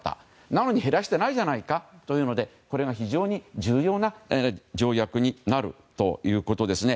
なのに減らしてないじゃないかというのでこれが非常に重要な条約になるということです。